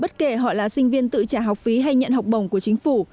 bất kể họ là sinh viên tự trả học phí hay nhận học bổng của chính phủ